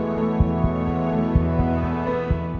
jangan lupa like subscribe dan share ya